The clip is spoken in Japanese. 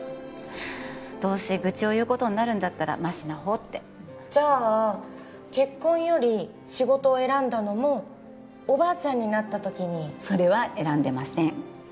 どうせ愚痴を言うことになるんだったらマシな方ってじゃあ結婚より仕事を選んだのもおばあちゃんになった時にそれは選んでません